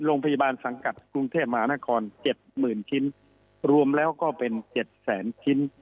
โรงพยาบาลสังกัดกรุงเทพมหานคร๗๐๐ชิ้นรวมแล้วก็เป็น๗แสนชิ้น